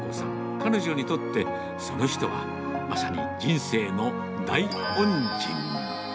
彼女にとって、その人は、まさに人生の大恩人。